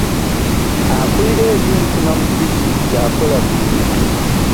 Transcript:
Akulirira eby'ensoma mu disitulikiti akola mulimu ki?